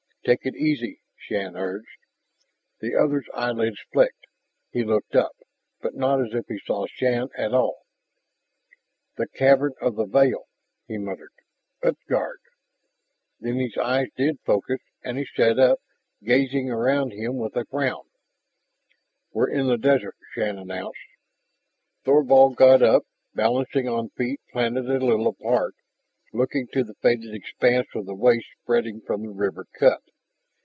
"Take it easy!" Shann urged. The other's eyelids flicked. He looked up, but not as if he saw Shann at all. "The Cavern of the Veil " he muttered. "Utgard...." Then his eyes did focus and he sat up, gazing around him with a frown. "We're in the desert," Shann announced. Thorvald got up, balancing on feet planted a little apart, looking to the faded expanse of the waste spreading from the river cut.